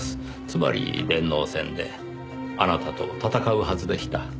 つまり電脳戦であなたと戦うはずでした。